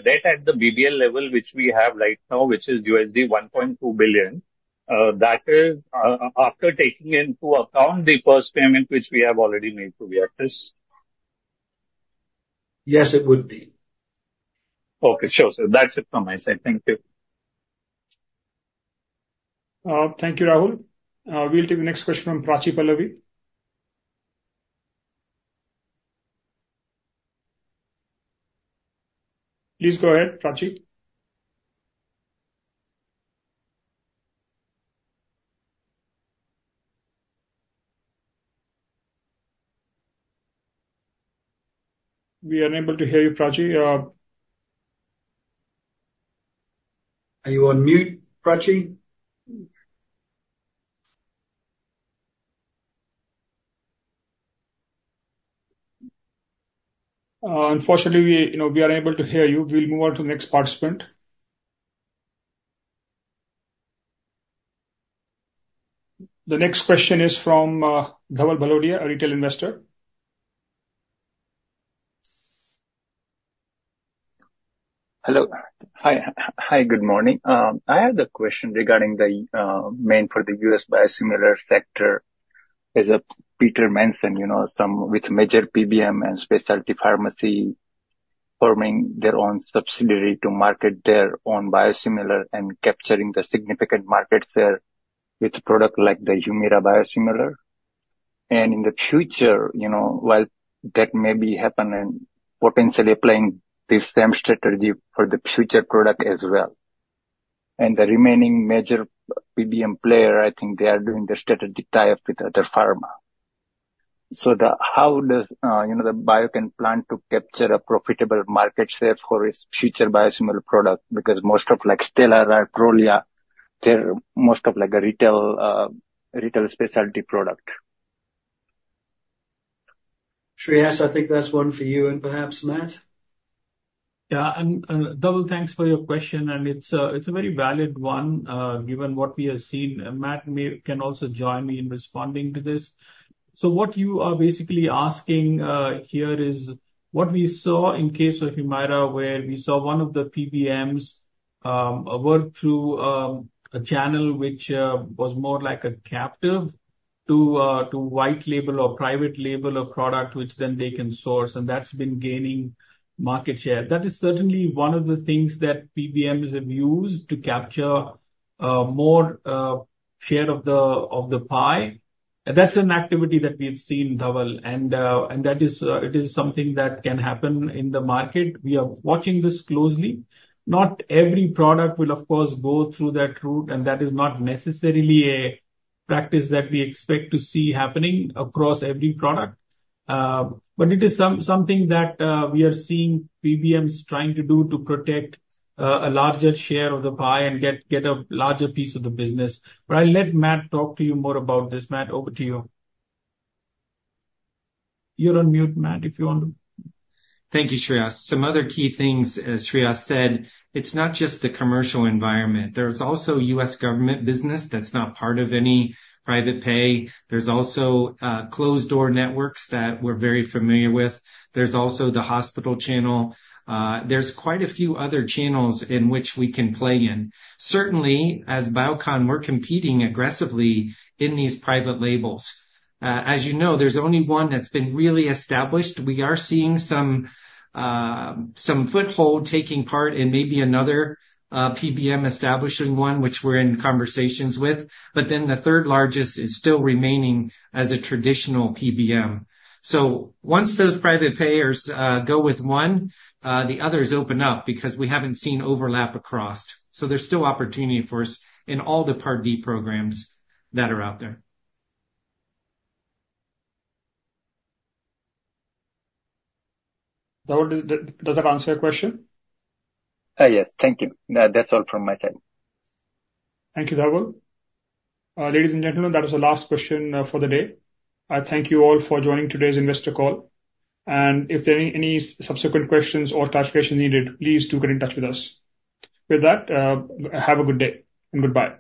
debt at the BBL level, which we have right now, which is $1.2 billion, that is, after taking into account the first payment, which we have already made to Viatris? Yes, it would be. Okay. Sure, sir. That's it from my side. Thank you. Thank you, Rahul. We'll take the next question from Prachi Pallavi. Please go ahead, Prachi. We are unable to hear you, Prachi. Are you on mute, Prachi? Unfortunately, we, you know, we are unable to hear you. We'll move on to the next participant. The next question is from Dhaval Bhalodia, a retail investor. Hello. Hi, hi, good morning. I had a question regarding the main for the US biosimilar sector. As Peter mentioned, you know, some with major PBM and specialty pharmacy forming their own subsidiary to market their own biosimilar and capturing the significant market share with product like the Humira biosimilar. And in the future, you know, while that may be happening, potentially applying this same strategy for the future product as well. And the remaining major PBM player, I think they are doing the strategic tie-up with other pharma. So, how does, you know, the Biocon plan to capture a profitable market share for its future biosimilar product? Because most of like Stelara or Prolia, they're most of like a retail, retail specialty product. Shreehas, I think that's one for you and perhaps Matt. Yeah, and Dhaval, thanks for your question, and it's a very valid one, given what we have seen. And Matt may also join me in responding to this. So what you are basically asking here is what we saw in case of Humira, where we saw one of the PBMs work through a channel which was more like a captive to white label or private label a product which then they can source, and that's been gaining market share. That is certainly one of the things that PBMs have used to capture more share of the pie. That's an activity that we've seen, Dhaval, and that is something that can happen in the market. We are watching this closely. Not every product will, of course, go through that route, and that is not necessarily a practice that we expect to see happening across every product. But it is something that we are seeing PBMs trying to do to protect a larger share of the pie and get a larger piece of the business. But I'll let Matt talk to you more about this. Matt, over to you. You're on mute, Matt, if you want to- Thank you, Shreehas. Some other key things, as Shreehas said, it's not just the commercial environment. There's also U.S. government business that's not part of any private pay. There's also closed-door networks that we're very familiar with. There's also the hospital channel. There's quite a few other channels in which we can play in. Certainly, as Biocon, we're competing aggressively in these private labels. As you know, there's only one that's been really established. We are seeing some, some foothold taking part in maybe another PBM establishing one, which we're in conversations with, but then the third largest is still remaining as a traditional PBM. So once those private payers go with one, the others open up because we haven't seen overlap across. So there's still opportunity for us in all the Part D programs that are out there. Dhaval, does that answer your question? Yes. Thank you. That, that's all from my side. Thank you, Dhaval. Ladies and gentlemen, that was the last question for the day. I thank you all for joining today's investor call, and if there are any subsequent questions or clarification needed, please do get in touch with us. With that, have a good day, and goodbye.